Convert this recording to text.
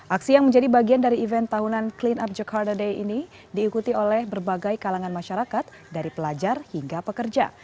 aksi yang menjadi bagian dari event tahunan clean up jakarta day ini diikuti oleh berbagai kalangan masyarakat dari pelajar hingga pekerja